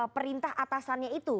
perintah atasannya itu